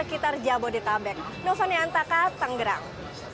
ketujuh balai calories di perjalanan biasa